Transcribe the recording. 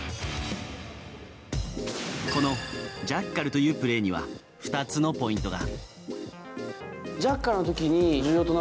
このジャッカルというプレーには２つのポイントが。